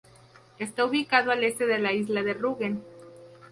Está ubicado al este de la isla de Rügen.